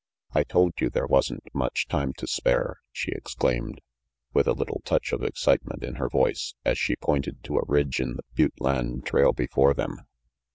"I told you there wasn't much time to spare," she exclaimed, with a little touch of excitement in her voice, as she pointed to a ridge in the butte land trail before them.